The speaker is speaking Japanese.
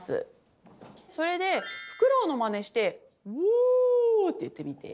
それでフクロウのまねして「ホー」って言ってみて。